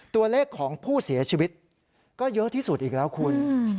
ตัวเลขของผู้เสียชีวิตก็เยอะที่สุดอีกแล้วคุณ